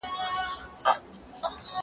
که وخت وي، پاکوالي ساتم،